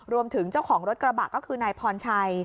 รวมถึงเจ้าของรถกระบะก็คือนายพรชัย